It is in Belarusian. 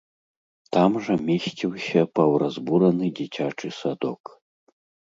Там жа месціўся паўразбураны дзіцячы садок.